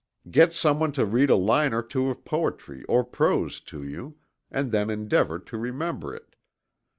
Get some one to read a line or two of poetry or prose to you, and then endeavor to remember it.